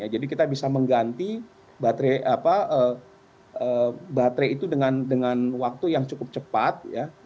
kita bisa mengganti baterai itu dengan waktu yang cukup cepat